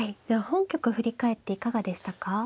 では本局振り返っていかがでしたか。